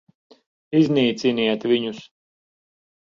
Iznīciniet viņus!